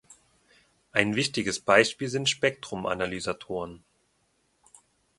Ein wichtiges Beispiel sind Spektrum-Analysatoren.